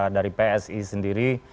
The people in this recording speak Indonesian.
dari psi sendiri